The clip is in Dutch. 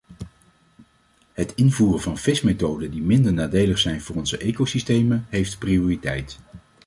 Het invoeren van vismethoden die minder nadelig zijn voor onze ecosystemen, heeft prioriteit.